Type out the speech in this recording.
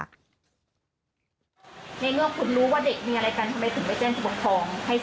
ในเมื่อคุณรู้ว่าเด็กมีอะไรกัน